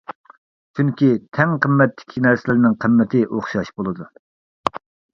چۈنكى تەڭ قىممەتتىكى نەرسىلەرنىڭ قىممىتى ئوخشاش بولىدۇ.